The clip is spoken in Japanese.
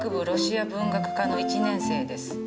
ロシア文学科の１年生です。